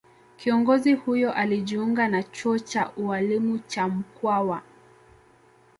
Kiongozi huyo alijiunga na chuo cha ualimu cha Mkwawa